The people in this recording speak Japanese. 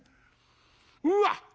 うわっ！